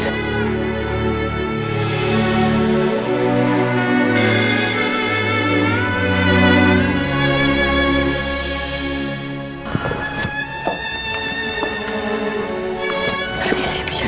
terima kasih bapak